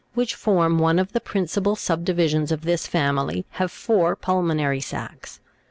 65 form one of the principal subdivisions of this family, have four pulmonary sacs.